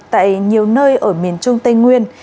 tại nhiều nơi ở miền trung tây nguyên